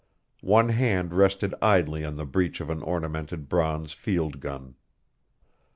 One hand rested idly on the breech of an ornamented bronze field gun.